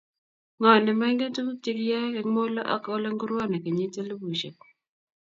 ngo nemaingen tuguk chegiyeyak eng Molo ako olengumone kenyit elbushek